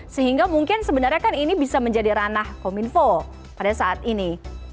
sehingga mungkin sebenarnya kan ini bisa menjadi ranah kominfo pada saat ini